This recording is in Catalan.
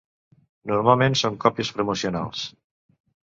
Normalment són còpies promocionals.